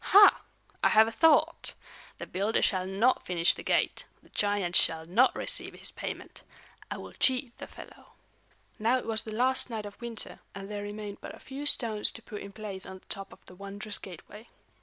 Ha! I have a thought! The builder shall not finish the gate; the giant shall not receive his payment. I will cheat the fellow." Now it was the last night of winter, and there remained but a few stones to put in place on the top of the wondrous gateway.